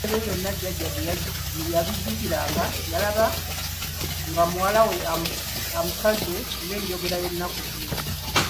Kale ebyo byonna Jjajja bwe yabijjukiranga, yalaba nga muwala we amusaze ng'enjogera y'ennaku zino.